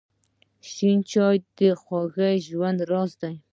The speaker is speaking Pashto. شین چای د خوږ ژوند راز دی.